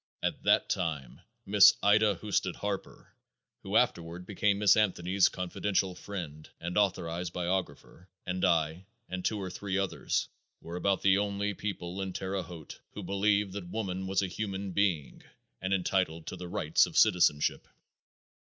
At that time Mrs. Ida Husted Harper, who afterward became Miss Anthony's confidential friend and authorized biographer, and I, and two or three others, were about the only people in Terre Haute who believed that woman was a human being and entitled to the rights of citizenship.